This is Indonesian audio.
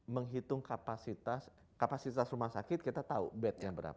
menghitung kapasitas rumah sakit kita tahu bednya berapa